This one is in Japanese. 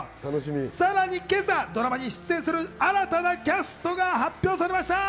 さらに今朝、ドラマに出演する新たなキャストが発表されました。